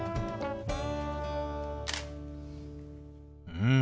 うん。